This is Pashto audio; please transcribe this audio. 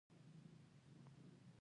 اتم په اداره کې د انعطاف پذیری اصل دی.